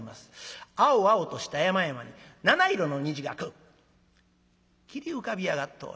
青々とした山々に七色の虹がくっきり浮かび上がっております。